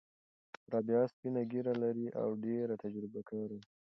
رابعه سپینه ږیره لري او ډېره تجربه کاره ده.